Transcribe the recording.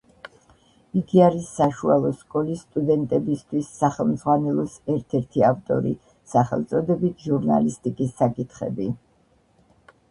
იგი არის საშუალო სკოლის სტუდენტებისთვის სახელმძღვანელოს ერთ-ერთი ავტორი, სახელწოდებით „ჟურნალისტიკის საკითხები“.